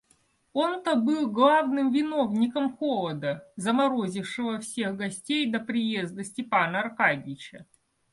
Он-то был главным виновником холода, заморозившего всех гостей до приезда Степана Аркадьича.